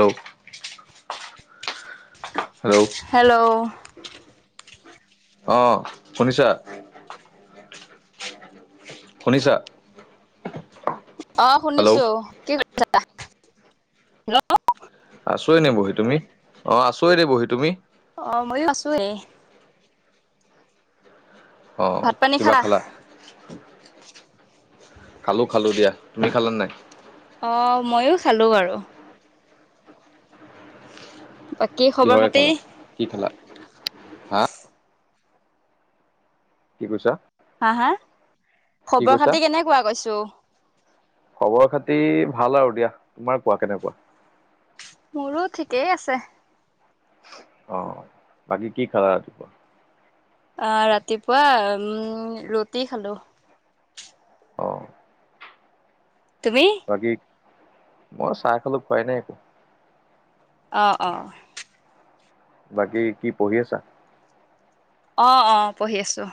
[unintelligible] Hello hello. অ', শুনিছা? শুনিছা? অ', হেল্ল' শুনিছো, কি কৰিছা? হেল্ল'। আছো এনে বহি তুমি, অ', আছো এনেই বহি, তুমি? অ', ময়ো আছো এনে। অ', ভাত পানী কিবা খালা? খালো খালো দিয়া, তুমি খালা নাই? অ', ময়ো খালো বাৰু। বাকী খবৰ কিহৰে খাতি খালা, কি খালা, হা? কি কৈছা? হা হা, কি খবৰ কৈছা খাতি কেনেকুৱা কৈছো। খবৰ খাতি ভাল আৰু দিয়া। তোমাৰ কোৱা কেনেকুৱা? মোৰো ঠিকেই আছে। অঁ! বাকী কি খালা? অঁ! ৰাতিপুৱা উম ৰুটি খালো। অ তুমি? বাকী মই চাহ খালোঁ খোৱাই নাই একো। অঁ-অঁ! বাকী কি পঢ়ি আছা? অঁ-অঁ! পঢ়ি আছোঁ।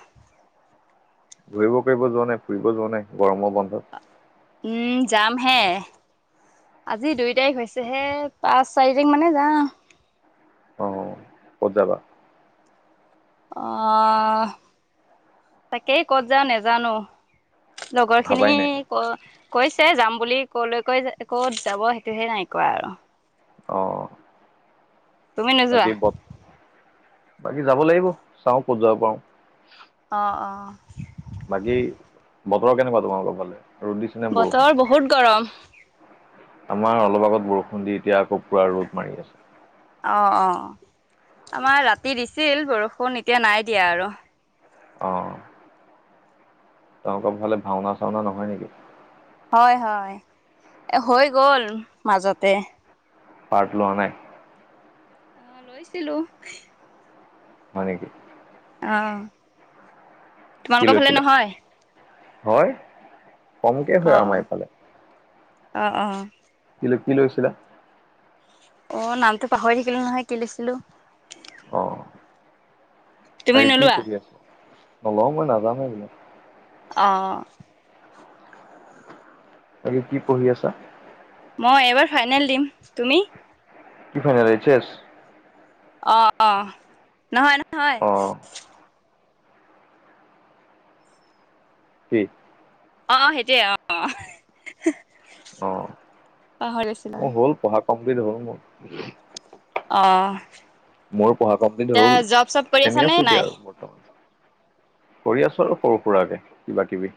ঘূৰিব কৰিব ফুৰিব যোৱা নাই, ফুৰিব যোৱা নাই গৰমৰ বন্ধত? উম! যাম হে। আজি দুই তাৰিখ হৈছেহে পাঁচ, চাৰি তাৰিখ মানে যাওঁ। অ ক'ত যাবা? অঁ! তাকেই ক'ত যাওঁ নেজানো। লগৰ ভাবাই খিনি নাই কত কৈছে যাম বুলি কলৈকৈ ক'ত যাব সেইটোহে নাই কোৱা আৰু। অঁ-অঁ! তুমি নোযোৱা বাকী ব বাকী যাব লাগিব চাওঁ ক'ত যাব পাৰোঁ। অঁ-অঁ! বাকী বতৰ কেনেকুৱা তোমালোকৰ ফালে? ৰ'দ দিছ বতৰ বহুত গৰম। আমাৰ অলপ আগত বৰষুণ দি এতিয়া আকৌ পুৰা ৰ'দ মাৰি আছে। অঁ-অঁ! আমাৰ ৰাতি দিছিল বৰষুণ এতিয়া নাই দিয়া আৰু। অঁ! তোমালোকৰ ফালে ভাওনা-চাওনা নহয় নেকি? হয়-হয়। এ হৈ গ'ল মাজতে। পাৰ্ত লোৱা নাই? অঁ! লৈছিলোঁ। হয় নেকি? অঁ! কি লৈছিলা? হয় কমকে হয় আমাৰ এইফালে। অঁ-অঁ! কি লৈ কি লৈছিলা? অঁ! নামটো পাহৰি থাকিলো নহয় কি লৈছিলো। অঁ। তুমি বাকী কি নোলোৱা পঢ়ি আছো? নলওঁ মই নাজানে এইবিলাক। অঁ! বাকী কি পঢ়ি আছা? মই এবাৰ ফাইনেল দিম। তুমি? কি ফাইনেল এইচএচ? অঁ-অঁ! নহয়-নহয়। অ কি? অঁ-অঁ! সেইটোৱেই অঁ! অ পাহৰিলোঁ। মোৰ হ'ল পঢ়া কমপ্লিট হ'ল মোৰ। অঁ! মোৰ পঢ়া কমপ্লিট হ'ল, কৰি আছা এনে নে আছোঁ এতিয়া নাই আৰু। অ' কৰি আছোঁ আৰু সৰু সুৰাকে কিবা কিবি।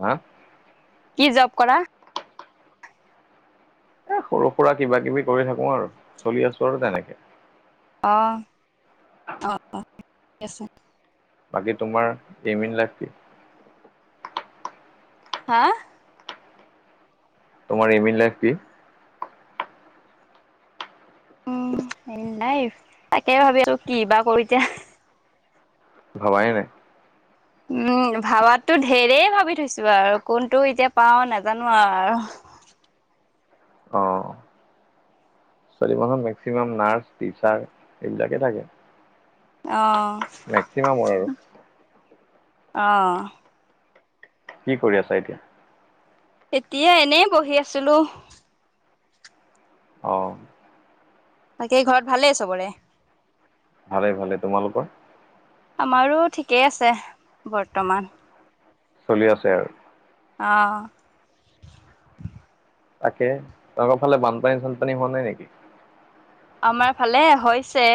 হা? কি জব কৰা? এ সৰু সুৰা কিবা-কিবি কৰি থাকো আৰু, চলি আছোঁ আৰু তেনেকে। অ' অ' অ' ঠিকে আছে। বাকী তোমাৰ এম ইন লাইফ কি? হা? তোমাৰ এম ইন লাইফ কি? উম' নাই তাকে ভাবি আছোঁ, কিবা কৰোঁ এতিয়া। ভবাই নাই। উম' ভাবাতো ঢেৰে ভাবি থৈছোঁ আৰু কোনটো এতিয়া পাওঁ নাজানোঁ আৰু আৰু অ' ছোৱালী মানুহ মেক্সিমাম নাৰ্ছ, টিচাৰ এইবিলাকে থাকে। অ' মেক্সিমামৰ আৰু। অ' কি কৰি আছা এতিয়া? এতিয়া এনেই বহি আছিলোঁ। অ' বাকী ঘৰত ভালেই চবৰে? ভালে ভালে। তোমালোকৰ? আমাৰো ঠিকেই আছে বৰ্তমান। চলি আছে আৰু। অ' তাকে তোমালোকৰ ফালে বানপানী চানপানী হোৱা নাই নেকি? আমাৰ ফালে হৈছে।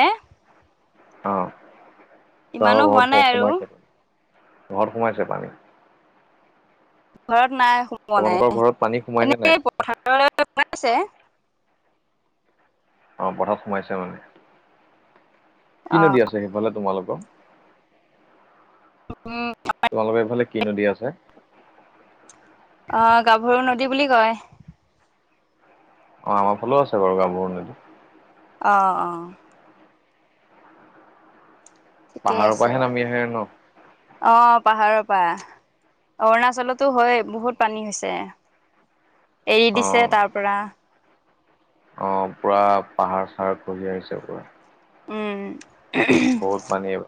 ইমানো তহঁতৰ হোৱা ঘৰত নাই আৰু সোমাইছে পানী, ঘৰত সোমাইছে পানী? ঘৰত নাই সোমোৱা নাই, তোমালোকৰ ঘৰত পানী সোমাই নে নাই এনেই পথাৰলৈ সোমাইছে। অ' পথাৰত সোমাইছে মানে, কি অ', নদী আছে সেইফালে তোমালোকৰ? উ উম' তোমালোকৰ এইফালে কি নদী আছে? অ' গাভৰু নদী বুলি কয়। অ' আমাৰ ফালেও আছে বাৰু গাভৰু নদী। অ' অ' ঠিকেই পাহাৰৰ আছে পৰাহে বাৰু নামি আহে ন। অ' পাহাৰৰ পৰা। অৰুণাচলতো হয় বহুত পানী হৈছে, এৰি অ দিছে তাৰ পৰা। অ' পুৰা পাহাৰ-চাহাৰ ঘঁহি আহিছে পুৰা। উম' বহুত পানী আহিব।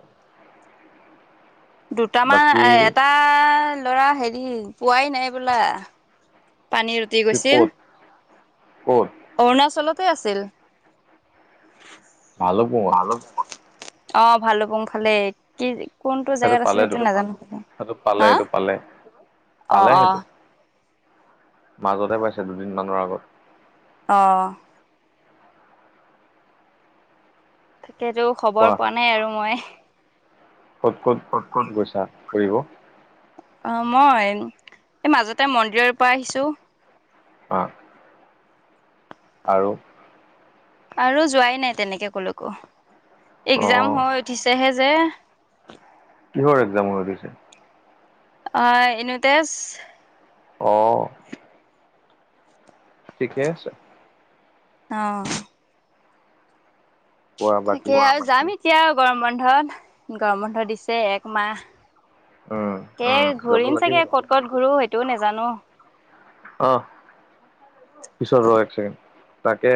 দুটামান, বাকী আ এটা ল'ৰা হেৰি পোৱাই নাই বোলে। পানীত উটি কি গৈছিল। ক'ত ক'ত? অৰুণাচলতে আছিল। ভালোকপুংঙত। ভালোকপুংঙত? অ' ভালোকপুংঙ ফালে। কি কোনটো জেগাত আছিল সেইটো নাজানোঁ মানে, সেইটো পালে হা? সেইটো পালে পালে অ', অ', সেইটো? মাজতে পাইছে দুদিন মানৰ আগত। অ' তাকেতো খবৰ কোৱা পোৱা নাই আৰু মই। ক'ত ক'ত গৈছা ফুৰিব? অ' মই এই মাজতে মন্দিৰৰ পৰা আহিছোঁ। অ' আৰু আৰু যোৱাই নাই তেনেকে ক'লৈকো, অ একজাম হৈ উঠিছে হে যে। কিহৰ এক্সাম হৈ কিহৰ দিছে? একজাম? অ' ইউনিটেস। অ' ঠিকে আছে। অ' কোৱা বাকী ঠিকে, অ' আৰু যাম এতিয়া আৰু গৰম বন্ধত, গৰম বন্ধ দিছে একমাহ। উম একে যাব ঘূৰিম লাগিব। চাগে ক'ত ক'ত ঘূৰো? সেইটোও নাজানোঁ। আহ পিছত ৰ এক ছেকেণ্ড তাকে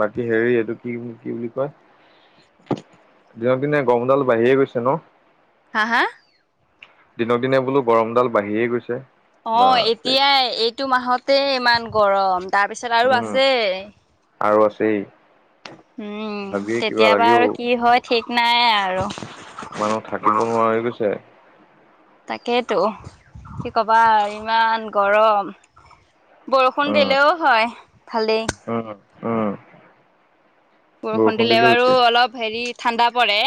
বাকী হেৰি এইটো কি‌ বুলি কি বুলি কয়? যোৱা দিনে গৰমডাল বাঢ়িয়ে গৈছে ন। হা হা? দিনক দিনে বোলোঁ গৰমডাল বাঢ়িয়ে গৈছে। অ' বাপৰে এতিয়াই এইটো মাহতে ইমান গৰম, তাৰপিছত আৰু উম আছে। আৰু আছেই। উম' ভাবিয়ে কিবা তেতিয়াবা লাগেও আৰু কি হয়, ঠিক নাই আৰু। মানুহ থাকিব নোৱাৰা হৈ গৈছে। তাকেতো কি কবা আৰু ইমান গৰম। বৰষুণ দিলেওঁ হয়, ভালেই। অ'হ অ' বৰষুণ দিলে দিলেও বাৰু একেই অলপ হেৰি ঠাণ্ডা পৰে।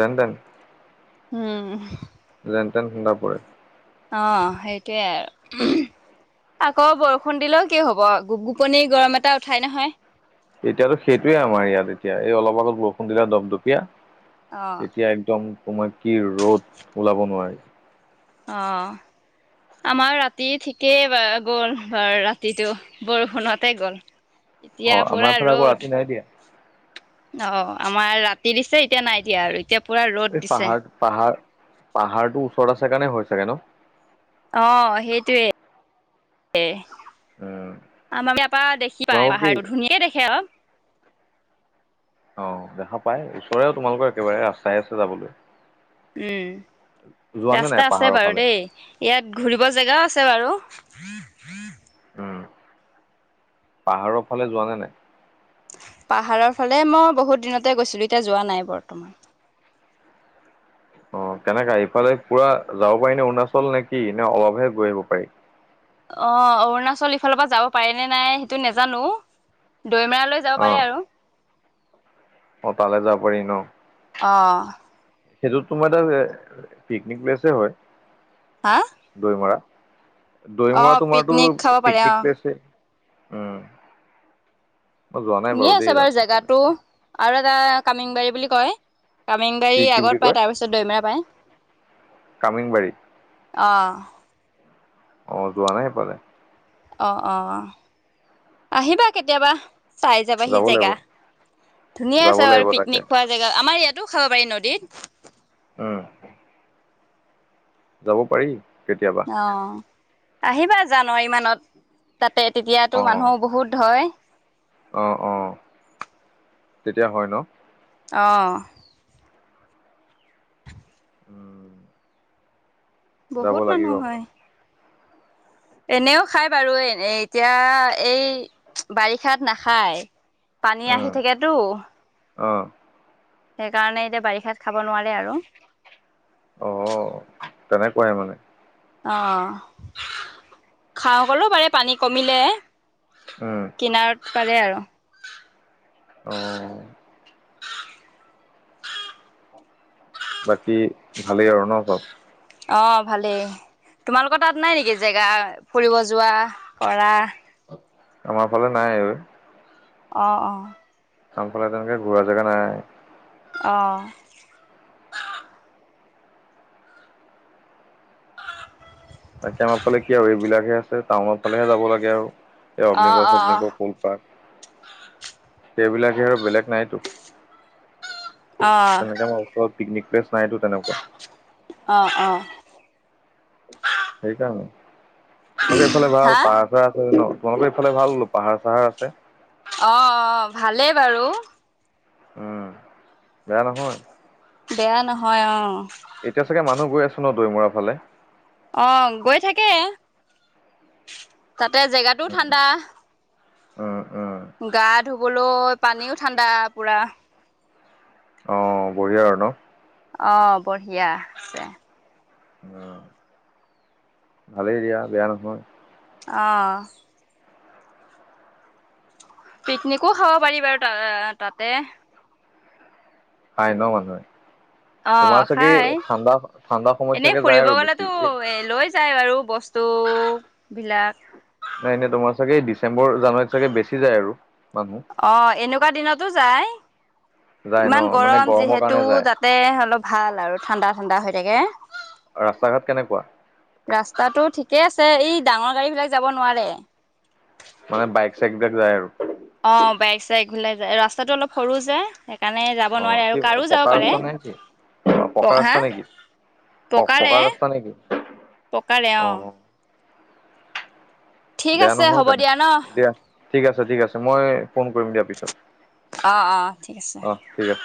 Rain then um' rain then ঠাণ্ডা পৰে। অ' সেইটোৱে আৰু। আকৌ বৰষুণ দিলেওঁ কি হ'ব অ', গুপ গুপনি গৰম এটা উঠাই নহয়। এতিয়াতো সেইটোৱে আমাৰ ইয়াত এতিয়া, এই অলপ আগত বৰষুণ দিলে দপদপীয়া। অ' এতিয়া একদম তোমাৰ কি ৰ'দ ওলাব নোৱাৰি। অ' আমাৰ ৰাতি ঠিকেই গ'ল বাৰু ৰাতিটো। বৰষুণতে গ'ল, অ এতিয়া আমাৰ পুৰা ফালে আকৌ ৰ'দ। ৰাতি নাই দিয়া অ' আমাৰ ৰাতি দিছে, এতিয়া নাই দিয়া আৰু এতিয়া পুৰা ৰ'দ এই দিছে। পাহাৰ, পাহাৰ, পাহাৰটো ওচৰত আছে কাৰণে হৈ চাগে ন। অ' সেইটোয়ে। উম আমাৰ ইয়াৰপা দেখি পায় তোমালোকৰ কি পাহাৰটো, ধুনীয়াকে দেখে অ'। অ' দেখা পাই, ওচৰেও তোমালোকৰ একেবাৰে ৰাস্তাই আছে যাবলৈ। যোৱা উম' নে নাই ৰাস্তা আছে পাহাৰৰ বাৰু ফালে দেই। ইয়াত ঘূৰিব জেগাও আছে বাৰু। উম, পাহাৰৰ ফালে যোৱা নে নাই? পাহাৰৰ ফালে মই বহুত দিনতে গৈছিলোঁ এতিয়া যোৱা নাই বৰ্তমান। অঁ, কেনেকা ইফালে পুৰা যাব পাৰি নে অৰুণাচল নে কি নে অলপহে গৈ আহিব পাৰি। অঁ, অৰুণাচল ইফালৰ পৰা যাব পাৰে নে নাই সেইটো নেজানো। দৈমেৰা লৈ যাব অ পাৰে আৰু। অ তালৈ যাব পাৰি ন। অঁ। সেইটোত তোমাৰ এটা পিকনিক প্লেছে হয়। হা। দৈমৰা দৈমৰা অ', তোমাৰতো পিকনিক খাব পাৰে পিকনিক অ', প্লেছে। উম। মই যোৱা নাই ধুনীয়া আছে দেই তাত বাৰু সেইফালে জেগাটো। আৰু এটা কামিংবাৰী বুলি কয়, কি কামিংবাৰী কি বুলি আগত কয় পাই তাৰ পিছত দৈমেৰা পায়। কামিংবাৰী। অঁ। অঁ যোৱা নাই সেইফালে। অঁ অ, আহিবা কেতিয়াবা। চাই যাবাহি যাব লাগিব জেগা ধুনীয়া যাব আছে বাৰু লাগিব তাকে পিকনিক খোৱা জেগা। আমাৰ ইয়াতো খাব পাৰি নদীত। উম। যাব পাৰি কেতিয়াবা। অঁ, আহিবা জানুৱাৰী মানত তাতে তেতিয়াতো মানুহ বহুত হয়। অঁ অ, তেতিয়া হয় ন। অঁ। উম। যাব বহুত লাগিব মানুহ হয়। এনেও খায় বাৰু এতিয়া এই বাৰিষাত নাখায়। পানী আহি থাকেতো। অঁ। সেইকাৰণে এতিয়া বাৰিষাত খাব নোৱাৰে আৰু। অ তেনেকুৱাই মানে। অঁ, খাওঁ কলেও পাৰে পানী কমিলে। উম। কিনাৰত পাৰে আৰু। অঁ। বাকী ভালেই আৰু ন চব। অঁ, ভালেই তোমালোকৰ তাত নাই নেকি জেগা ফুৰিব কৰা? আমাৰ ফালে নাই। অঁ, অ। আফালে তেনেকৈ ঘূৰা জেগা নাই। অঁ। তাকে আমাৰ ফালে কি আৰু এইবিলাকহে আছে টাউনৰ ফালেহে যাব লাগে, আৰু এই অ', অ', অগ্নিকড় কল সেইবিলাকে আৰু বেলেগ নাইতো। অ', তেনেকে আমাৰ ওচৰত পিকনিক প্লেচ নাইতো তেনেকুৱা। অঁ, অ। সেইকাৰণে, তাকে এইফালে ভাল হা পাৰ ন তোমালোকৰ এইফালে ভাল বুলো পাহাৰ চাহাৰ আছে। অ', অ, ভালেই বাৰু। উম, বেয়া নহয়। বেয়া নহয় অ। এতিয়া চাগে মানুহ গৈ আছো [unintelligible] ফালে? অ', গৈ থাকে, তাতে জেগাটো উম ঠাণ্ডা। উম', উম। গা ধুবলৈ পানীও ঠাণ্ডা পুৰা। অ', বঢ়িয়া আৰু ন? অ', বঢ়িয়া আছে। অ', ভালেই দিয়া বেয়া নহয়। অ', পিকনিকো খাব পাৰি বাৰু ত তাতে। খাই ন মানুহে? অ তোমাৰ চাগে খাই ঠাণ্ডা ঠাণ্ডা সময়ত এনেই চাগে যায় ফুৰিব আৰু গলেতো বেছি এই এ লৈ যায়, বাৰু বস্তুবিলাক। নাই এনেই তোমাৰ চাগে এই ডিচেম্বৰ জানুৱাৰীত চাগে বেছি যায় আৰু মানুহ। অ', এনেকুৱা দিনতো যায়। যায় ন ইমান মানে গৰম গৰমৰ যিহেতু কাৰণে যায় তাত তে অলপ ভাল আৰু ঠাণ্ডা ঠাণ্ডা হৈ থাকে। ৰাস্তা ঘাত কেনেকুৱা? ৰাস্তাটো ঠিকে আছে। এই ডাঙৰ গাড়ীবিলাক যাব নোৱাৰে। মানে বাইক চাইকবিলাক যায় আৰু। অ', বাইক চাইকবিলাক যায়। ৰাস্তাটো অলপ সৰু যে সে অ', কি পকা ৰাস্তা নে কি অ', প পকা হা ৰাস্তা নেকি? পকাৰে প-পকা ৰাস্তা নেকি? পকাৰে অ। ঠিক বেয়া আছে নহয় হ'ব তেনে দিয়া ন দিয়া ঠিক আছে, ঠিক আছে। মই ফোন কৰিম দিয়া পিছত। অ', অ ঠিক আছে। অ', ঠিক আছে।